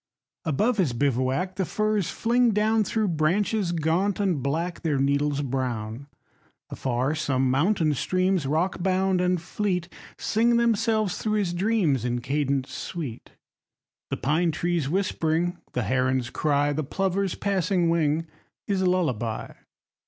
Above his bivouac the firs fling down Through branches gaunt and black, their needles brown. Afar some mountain streams, rockbound and fleet, Sing themselves through his dreams in cadence sweet, The pine trees whispering, the heron's cry, The plover's passing wing, his lullaby.